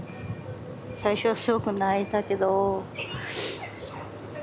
最初はすごく泣いたけどうん。